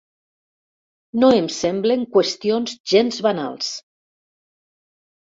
No em semblen qüestions gens banals.